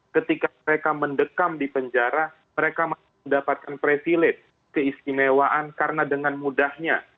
ketika mereka mendekam di penjara mereka mendapatkan privilege keistimewaan karena dengan mudahnya